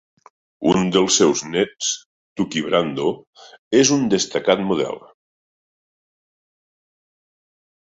Un dels seus néts, Tuki Brando, és un destacat model.